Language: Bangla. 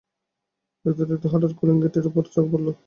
দেখতে দেখতে হঠাৎ কুলুঙ্গিটার উপর চোখ পড়ল।